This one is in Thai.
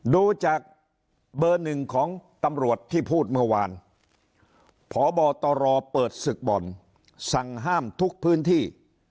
ดูจากเบอร์หนึ่งของตำรวจที่พูดเมื่อวานพบตรเปิดศึกบ่อนสั่งห้ามทุกพื้นที่